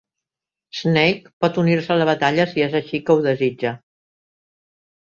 Snake pot unir-se a la batalla, si és així que ho desitja.